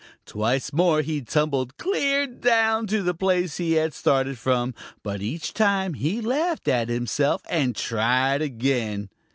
Twice more he tumbled clear down to the place he had started from, but each time he laughed at himself and tried again.